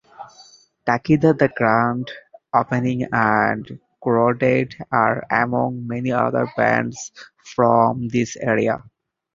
Takida, The Grand Opening and Corroded are among many other bands from this area.